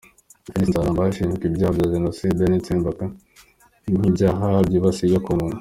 Pheneas Nzaramba ashinjwa ibyaha bya jenoside n’itsembatsemba nk’ibyaha byibasiye inyokomuntu.